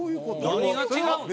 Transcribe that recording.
何が違うの？